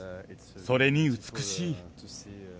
それに美しい。